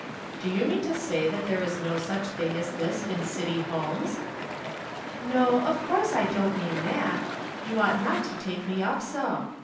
" Do you mean to say that there is no such thing as this in city homes ?"" Xo, of course I don"t mean that. Tou ought not to take me up so.